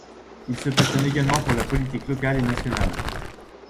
Il se passionne également pour la politique locale et nationale.